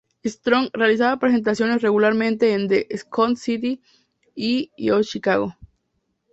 Strong realizaba presentaciones regularmente en The Second City y iO Chicago.